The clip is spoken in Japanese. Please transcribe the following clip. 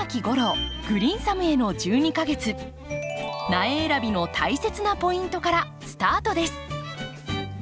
苗選びの大切なポイントからスタートです！